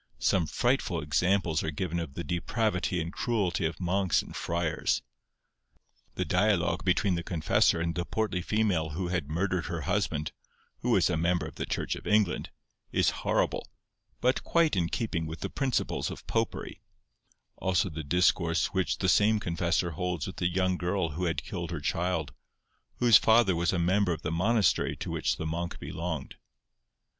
Some frightful examples are given of the depravity and cruelty of monks and friars. The dialogue between the confessor and the portly female who had murdered her husband, who was a member of the Church of England, is horrible, but quite in keeping with the principles of Popery; also the discourse which the same confessor holds with the young girl who had killed her child, whose father was a member of the monastery to which the monk belonged.